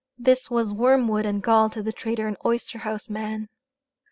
This was wormwood and gall to the trader and oyster house man.